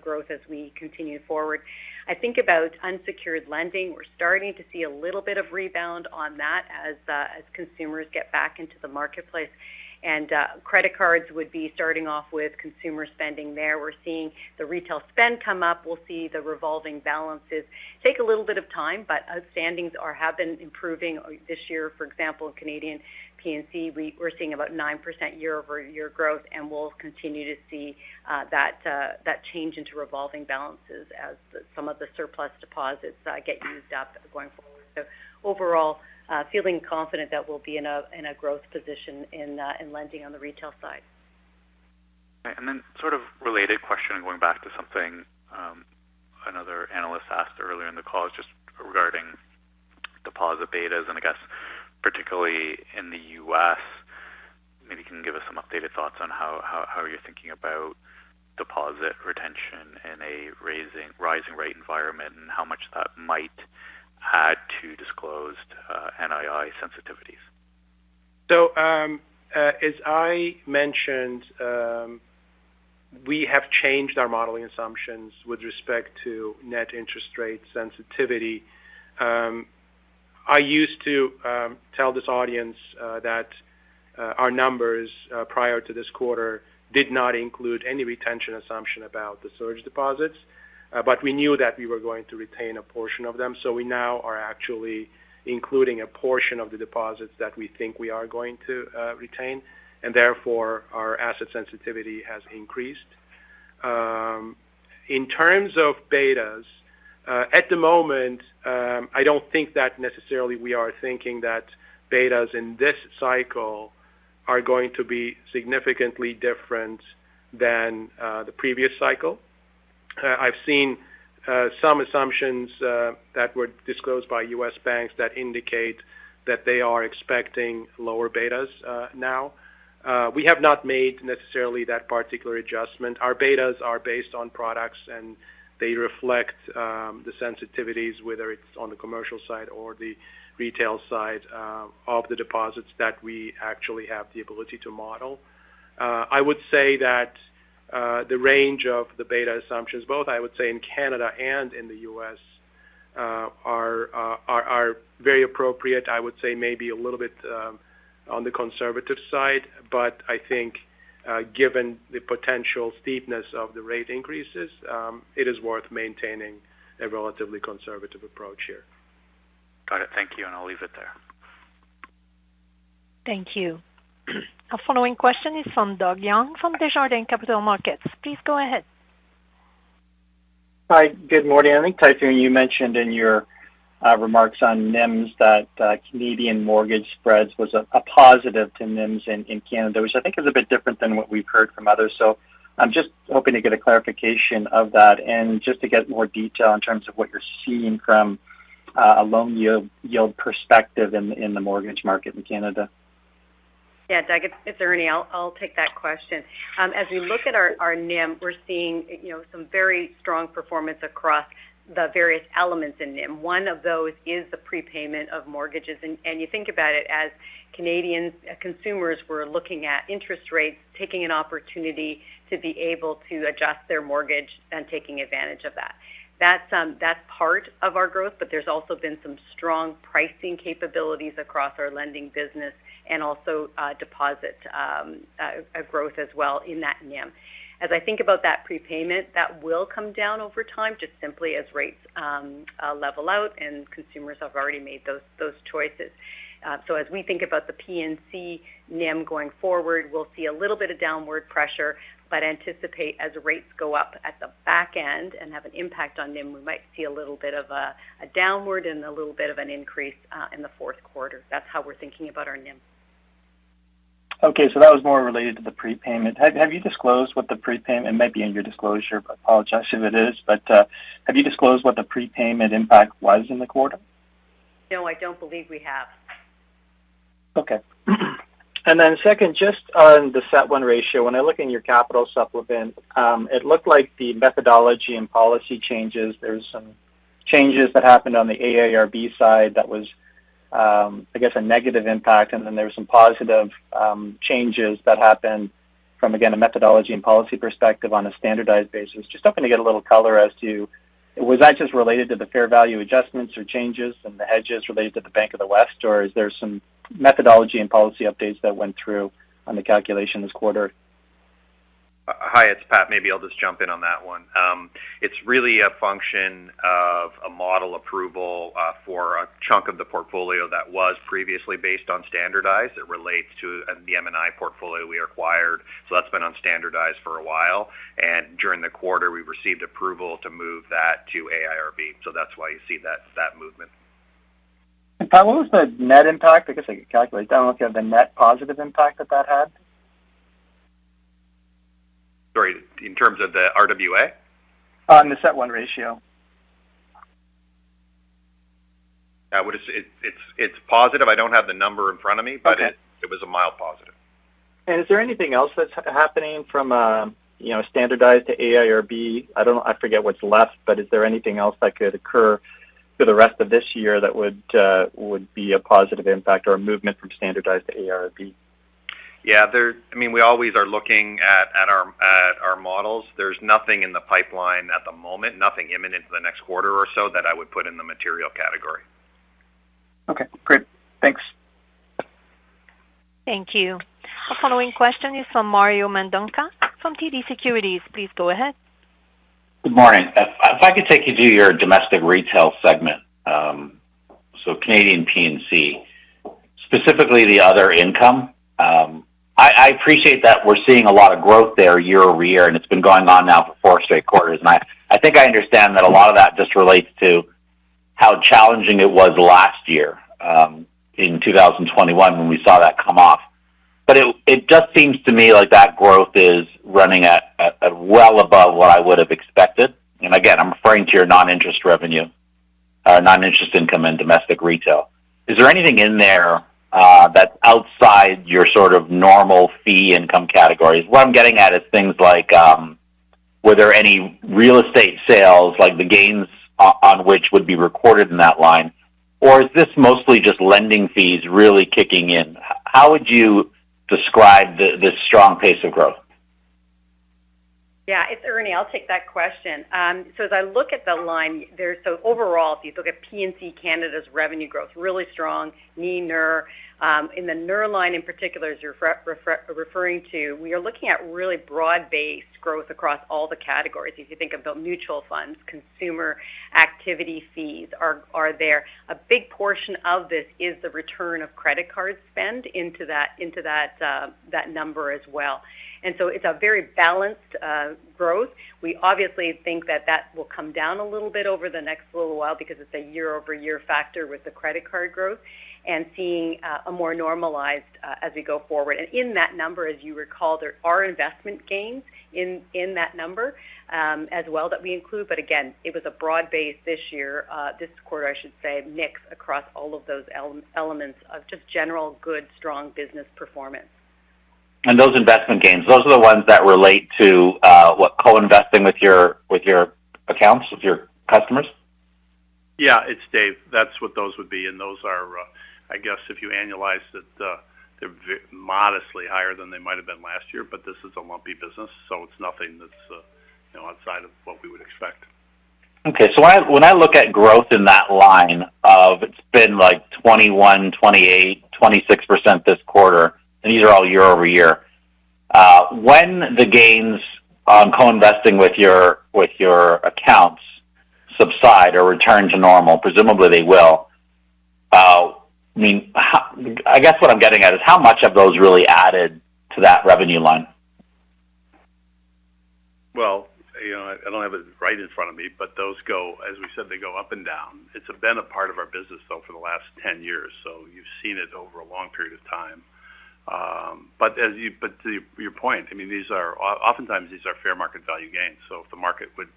growth as we continue forward. I think about unsecured lending. We're starting to see a little bit of rebound on that as consumers get back into the marketplace. Credit cards would be starting off with consumer spending there. We're seeing the retail spend come up. We'll see the revolving balances take a little bit of time, but outstandings have been improving this year. For example, in Canadian P&C, we're seeing about 9% year-over-year growth, and we'll continue to see that change into revolving balances as some of the surplus deposits get used up going forward. Overall, feeling confident that we'll be in a growth position in lending on the retail side. Then sort of related question, going back to something another analyst asked earlier in the call, just regarding deposit betas, and I guess particularly in the U.S., maybe you can give us some updated thoughts on how you're thinking about deposit retention in a rising rate environment and how much that might add to disclosed NII sensitivities. As I mentioned, we have changed our modeling assumptions with respect to net interest rate sensitivity. I used to tell this audience that our numbers prior to this quarter did not include any retention assumption about the surge deposits. But we knew that we were going to retain a portion of them. We now are actually including a portion of the deposits that we think we are going to retain, and therefore, our asset sensitivity has increased. In terms of betas, at the moment, I don't think that necessarily we are thinking that betas in this cycle are going to be significantly different than the previous cycle. I've seen some assumptions that were disclosed by U.S. banks that indicate that they are expecting lower betas now. We have not made necessarily that particular adjustment. Our betas are based on products, and they reflect the sensitivities, whether it's on the commercial side or the retail side, of the deposits that we actually have the ability to model. I would say that the range of the beta assumptions, both, I would say, in Canada and in the U.S., are very appropriate. I would say maybe a little bit on the conservative side, but I think, given the potential steepness of the rate increases, it is worth maintaining a relatively conservative approach here. Got it. Thank you, and I'll leave it there. Thank you. Our following question is from Doug Young from Desjardins Capital Markets. Please go ahead. Hi. Good morning. Tayfun, you mentioned in your remarks on NIMS that Canadian mortgage spreads was a positive to NIMS in Canada, which I think is a bit different than what we've heard from others. I'm just hoping to get a clarification of that and just to get more detail in terms of what you're seeing from a loan yield perspective in the mortgage market in Canada. Yeah. Doug, it's Ernie. I'll take that question. As we look at our NIM, we're seeing, you know, some very strong performance across the various elements in NIM. One of those is the prepayment of mortgages. You think about it, as Canadian consumers were looking at interest rates, taking an opportunity to be able to adjust their mortgage and taking advantage of that. That's part of our growth, but there's also been some strong pricing capabilities across our lending business and also deposit growth as well in that NIM. As I think about that prepayment, that will come down over time, just simply as rates level out and consumers have already made those choices. As we think about the P&C NIM going forward, we'll see a little bit of downward pressure, but anticipate as rates go up at the back end and have an impact on NIM, we might see a little bit of a downward and a little bit of an increase in the fourth quarter. That's how we're thinking about our NIM. Okay. That was more related to the prepayment. Have you disclosed what the prepayment impact was in the quarter? It might be in your disclosure. I apologize if it is. No, I don't believe we have. Okay. Second, just on the CET1 ratio, when I look in your capital supplement, it looked like the methodology and policy changes. There's some changes that happened on the A-IRB side that was, I guess, a negative impact, and then there were some positive changes that happened from, again, a methodology and policy perspective on a standardized basis. Just hoping to get a little color as to was that just related to the fair value adjustments or changes and the hedges related to the Bank of the West, or is there some methodology and policy updates that went through on the calculation this quarter? Hi, it's Pat. Maybe I'll just jump in on that one. It's really a function of a model approval for a chunk of the portfolio that was previously based on standardized. It relates to the M&I portfolio we acquired, so that's been on standardized for a while. During the quarter, we received approval to move that to A-IRB. That's why you see that movement. Pat, what was the net impact? I guess I could calculate that one if you have the net positive impact that that had. Sorry, in terms of the RWA? On the CET1 ratio. It's positive. I don't have the number in front of me. Okay. It was a mild positive. Is there anything else that's happening from, you know, standardized to A-IRB? I forget what's left, but is there anything else that could occur for the rest of this year that would be a positive impact or a movement from standardized to A-IRB? Yeah. I mean, we always are looking at our models. There's nothing in the pipeline at the moment, nothing imminent to the next quarter or so that I would put in the material category. Okay, great. Thanks. Thank you. Our following question is from Mario Mendonca from TD Securities. Please go ahead. Good morning. If I could take you to your domestic retail segment, so Canadian P&C, specifically the other income. I appreciate that we're seeing a lot of growth there year-over-year, and it's been going on now for four straight quarters. I think I understand that a lot of that just relates to how challenging it was last year, in 2021 when we saw that come off. It just seems to me like that growth is running at well above what I would have expected. I'm referring to your non-interest revenue, non-interest income in domestic retail. Is there anything in there that's outside your sort of normal fee income categories? What I'm getting at is things like, were there any real estate sales, like the gains on which would be recorded in that line? Or is this mostly just lending fees really kicking in? How would you describe this strong pace of growth? It's Ernie. I'll take that question. As I look at the line there, overall, if you look at P&C Canada's revenue growth, really strong in NIR. In the NIR line in particular, as you're referring to, we are looking at really broad-based growth across all the categories. If you think of the mutual funds, consumer activity fees are there. A big portion of this is the return of credit card spend into that number as well. It's a very balanced growth. We obviously think that will come down a little bit over the next little while because it's a year-over-year factor with the credit card growth and seeing a more normalized as we go forward. In that number, as you recall, there are investment gains in that number as well that we include. Again, it was a broad base this year, this quarter, I should say, mix across all of those elements of just general good, strong business performance. Those investment gains, those are the ones that relate to what co-investing with your accounts, with your customers? Yeah, it's Dave. That's what those would be. Those are, I guess if you annualize it, they're modestly higher than they might have been last year, but this is a lumpy business, so it's nothing that's, you know, outside of what we would expect. Okay, when I look at growth in that line, it's been like 21%, 28%, 26% this quarter, and these are all year-over-year. When the gains on co-investing with your accounts subside or return to normal, presumably they will, I mean, I guess what I'm getting at is how much of those really added to that revenue line? You know, I don't have it right in front of me, but those—as we said, they go up and down. It's been a part of our business, though, for the last 10 years. You've seen it over a long period of time. But to your point, I mean, oftentimes these are fair market value gains. If the market would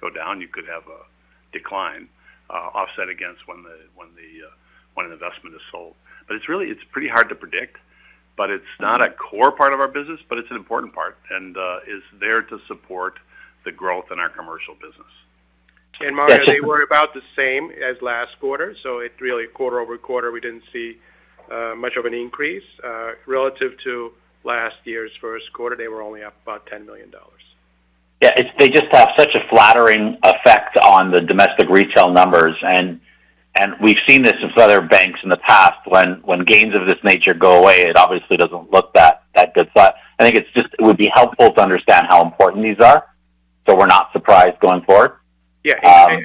go down, you could have a decline, offset against when an investment is sold. It's pretty hard to predict, but it's not a core part of our business, but it's an important part, and is there to support the growth in our commercial business. Thanks. Mario, they were about the same as last quarter. Quarter-over-quarter, we didn't see much of an increase. Relative to last year's first quarter, they were only up about 10 million dollars. Yeah, they just have such a flattering effect on the domestic retail numbers. We've seen this with other banks in the past when gains of this nature go away. It obviously doesn't look that good. I think it would be helpful to understand how important these are, so we're not surprised going forward. Yeah. Um.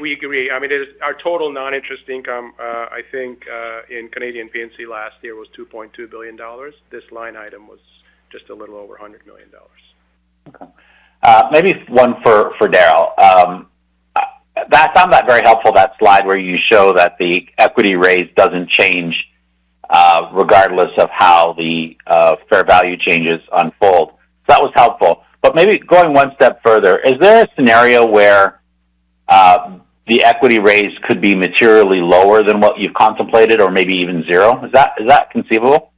We agree. I mean, our total non-interest income, I think, in Canadian P&C last year was 2.2 billion dollars. This line item was just a little over 100 million dollars. Maybe one for Darryl. That sounds very helpful, that slide where you show that the equity raise doesn't change, regardless of how the fair value changes unfold. That was helpful. Maybe going one step further, is there a scenario where the equity raise could be materially lower than what you've contemplated or maybe even zero? Is that conceivable?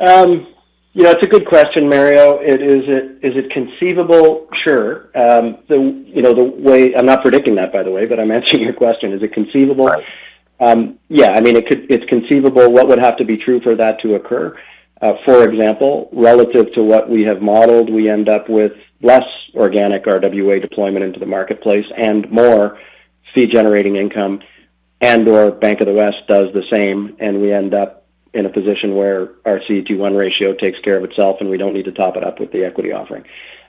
Yeah, it's a good question, Mario. Is it conceivable? Sure. You know, I'm not predicting that, by the way, but I'm answering your question. Is it conceivable? Right. Yeah, I mean, it's conceivable. What would have to be true for that to occur? For example, relative to what we have modeled, we end up with less organic RWA deployment into the marketplace and more fee-generating income. If Bank of the West does the same, and we end up in a position where our CET1 ratio takes care of itself, and we don't need to top it up with the equity offering.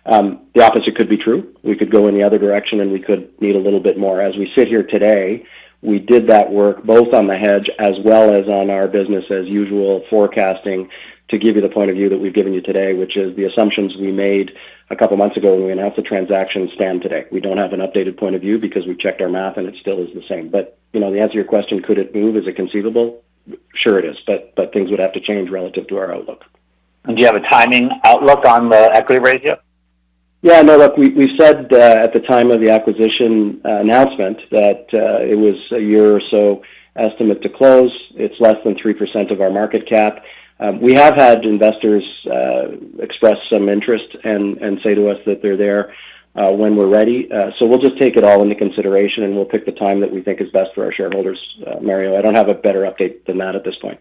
The opposite could be true. We could go in the other direction, and we could need a little bit more. As we sit here today, we did that work both on the hedge as well as on our business as usual forecasting to give you the point of view that we've given you today, which is the assumptions we made a couple months ago when we announced the transaction stand today. We don't have an updated point of view because we checked our math and it still is the same. You know, to answer your question, could it move? Is it conceivable? Sure, it is. Things would have to change relative to our outlook. Do you have a timing outlook on the equity ratio? Yeah. No, look, we said at the time of the acquisition announcement that it was a year or so estimate to close. It's less than 3% of our market cap. We have had investors express some interest and say to us that they're there when we're ready. We'll just take it all into consideration, and we'll pick the time that we think is best for our shareholders, Mario. I don't have a better update than that at this point.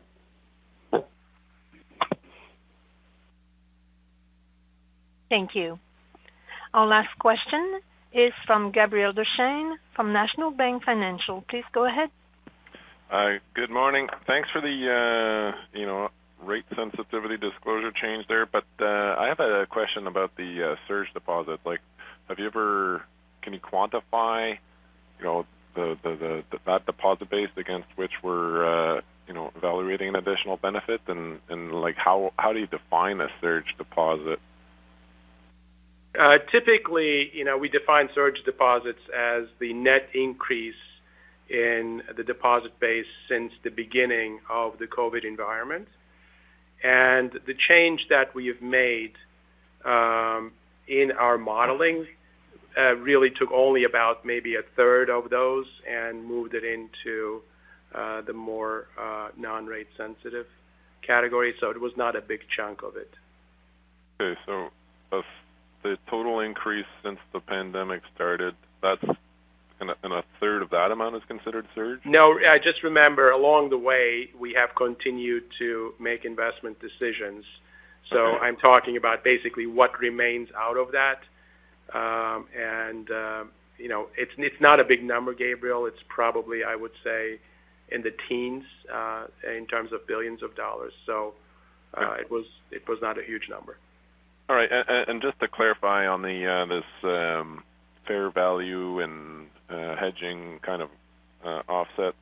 Thank you. Our last question is from Gabriel Dechaine from National Bank Financial. Please go ahead. Hi. Good morning. Thanks for the rate sensitivity disclosure change there. But I have a question about the surge deposits. Like, can you quantify the deposit base against which we're evaluating additional benefits? Like, how do you define a surge deposit? Typically, you know, we define surge deposits as the net increase in the deposit base since the beginning of the COVID environment. The change that we have made in our modeling really took only about maybe a third of those and moved it into the more non-rate sensitive category. It was not a big chunk of it. Of the total increase since the pandemic started, that's a third of that amount is considered surge? No. I just remember along the way, we have continued to make investment decisions. Okay. I'm talking about basically what remains out of that. You know, it's not a big number, Gabriel. It's probably, I would say, in the teens in terms of billions of dollars. It was not a huge number. All right. Just to clarify on this fair value and hedging kind of offset.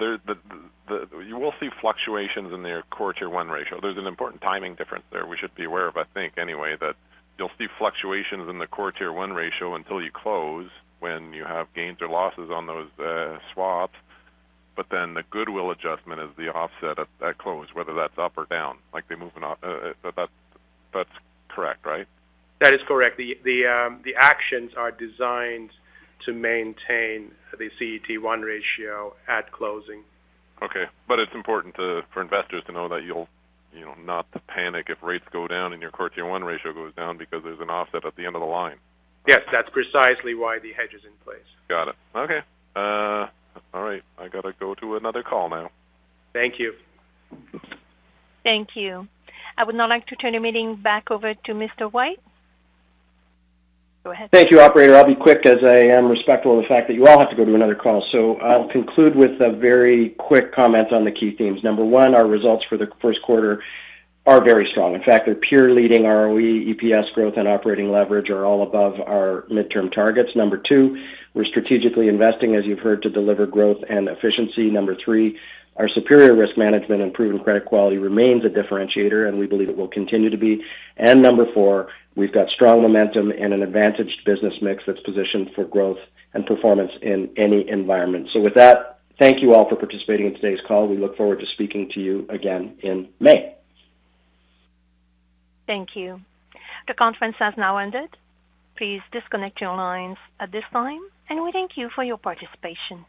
You will see fluctuations in their core Tier 1 ratio. There's an important timing difference there we should be aware of, I think, anyway, that you'll see fluctuations in the core Tier 1 ratio until you close when you have gains or losses on those swaps. Then the goodwill adjustment is the offset at close, whether that's up or down. Like, that's correct, right? That is correct. The actions are designed to maintain the CET1 ratio at closing. Okay. It's important for investors to know that you'll, you know, not panic if rates go down and your core Tier 1 ratio goes down because there's an offset at the end of the line. Yes. That's precisely why the hedge is in place. Got it. Okay. All right. I gotta go to another call now. Thank you. Thank you. I would now like to turn the meeting back over to Mr. White. Go ahead. Thank you, operator. I'll be quick as I am respectful of the fact that you all have to go to another call. I'll conclude with a very quick comment on the key themes. Number one, our results for the first quarter are very strong. In fact, they're peer leading ROE, EPS growth and operating leverage are all above our midterm targets. Number two, we're strategically investing, as you've heard, to deliver growth and efficiency. Number three, our superior risk management and proven credit quality remains a differentiator, and we believe it will continue to be. Number four, we've got strong momentum and an advantaged business mix that's positioned for growth and performance in any environment. With that, thank you all for participating in today's call. We look forward to speaking to you again in May. Thank you. The conference has now ended. Please disconnect your lines at this time, and we thank you for your participation.